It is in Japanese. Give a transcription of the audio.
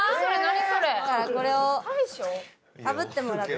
これをかぶってもらって。